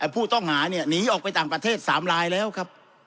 ผู้ต้องหาเนี่ยหนีออกไปต่างประเทศ๓ลายแล้วครับ